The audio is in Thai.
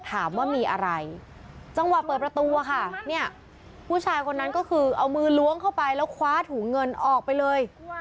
ถามว่ามีอะไรจังหวะเปิดประตูอะค่ะเนี่ยผู้ชายคนนั้นก็คือเอามือล้วงเข้าไปแล้วคว้าถุงเงินออกไปเลย